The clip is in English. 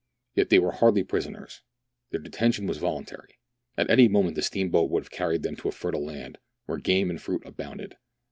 Yet they were hardly prisoners ; their detention was voluntary. At any moment the steamboat would have carried them to a fertile land, where game and fruit abounded.